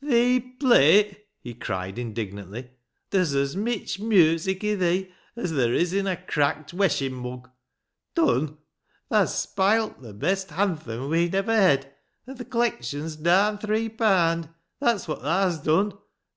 " Thee play !" he cried indignantly. " Ther's as mitch music i' thee as ther' is in a cracked weshing mug ! Dun ? Tha's spilt the best hanthum we'en iver hed, an' th' collection's daan three paand ; that's wot tha's done